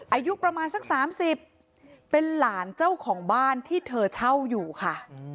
อายุประมาณสัก๓๐เป็นหลานเจ้าของบ้านที่เธอเช่าอยู่ค่ะ